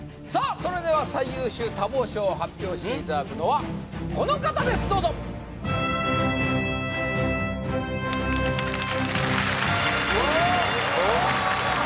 それでは最優秀多忙賞を発表していただくのはこの方ですどうぞわあ！